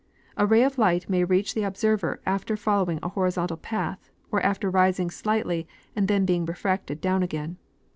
A ray of light may reach the observer after following a horizontal path, or after rising slightly and then being refracted down again.